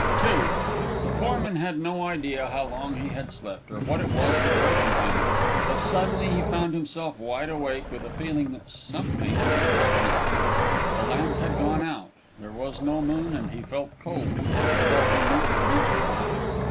II The foreman had no idea how long he had slept, or what it was that awakened him; but suddenly he found himself wide awake with a feeling that something was happening. The lamp had gone out, there was no moon, and he felt cold, although he knew it to be July.